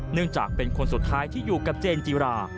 เนื่องจากเป็นคนสุดท้ายที่อยู่กับเจนจิรา